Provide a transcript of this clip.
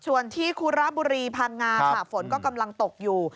ส่วนที่คุระบุรีพังงาค่ะฝนก็กำลังตกอยู่